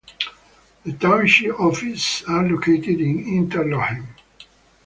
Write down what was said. The township offices are located in Interlochen.